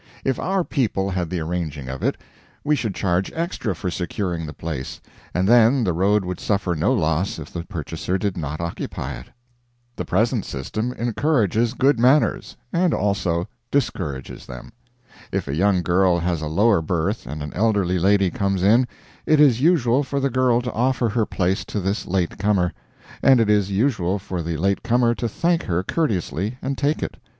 If our people had the arranging of it, we should charge extra for securing the place, and then the road would suffer no loss if the purchaser did not occupy it. The present system encourages good manners and also discourages them. If a young girl has a lower berth and an elderly lady comes in, it is usual for the girl to offer her place to this late comer; and it is usual for the late comer to thank her courteously and take it.